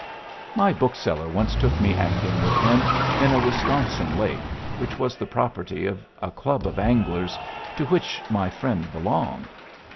My bookseller once took me angling with him in a Wisconsin lake which was the property of a club of anglers to which my friend belonged.